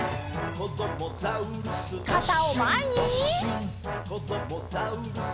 「こどもザウルス